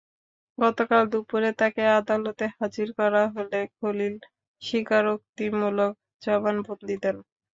গতকাল দুপুরে তাঁকে আদালতে হাজির করা হলে খলিল স্বীকারোক্তিমূলক জবানবন্দি দেন।